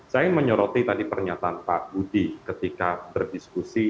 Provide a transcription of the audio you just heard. saya menyoroti tadi pernyataan pak budi ketika berdiskusi